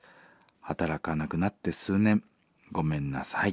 働かなくなって数年ごめんなさい」。